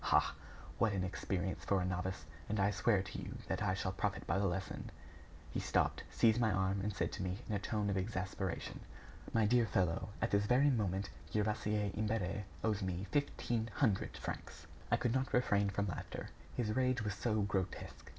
Ha! what an experience for a novice! And I swear to you that I shall profit by the lesson!" He stopped, seized my arm, and said to me, in a tone of exasperation: "My dear fellow, at this very moment, Gervaise Imbert owes me fifteen hundred francs." I could not refrain from laughter, his rage was so grotesque.